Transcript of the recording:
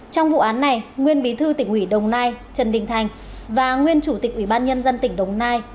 trong vụ án này nguyên bí thư tỉnh ủy đồng nai trần đình thành và nguyên chủ tịch ủy ban nhân dân tỉnh đồng nai